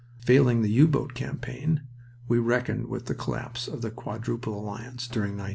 Failing the U boat campaign we reckoned with the collapse of the Quadruple Alliance during 1917."